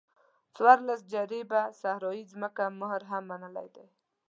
څوارلس جریبه صحرایي ځمکې مهر هم منلی دی.